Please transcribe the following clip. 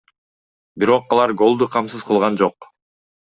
Бирок алар голду камсыз кылган жок.